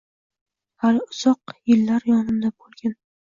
Xali uzoq iillar yonimda bulgin